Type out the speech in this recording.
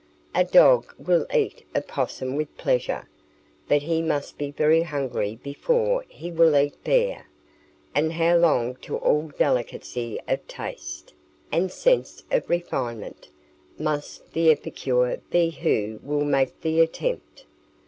A dog will eat opossum with pleasure, but he must be very hungry before he will eat bear; and how lost to all delicacy of taste, and sense of refinement, must the epicure be who will make the attempt!